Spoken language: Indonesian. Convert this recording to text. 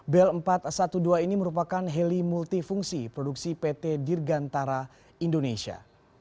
bel empat ratus dua belas ini merupakan heli multifungsi produksi pt dirgantara indonesia